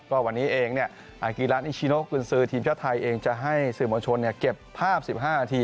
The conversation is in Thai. ก็วันนี้เองอากิระนิชิโนกุญซือทีมชาติไทยเองจะให้สื่อมวลชนเก็บภาพ๑๕นาที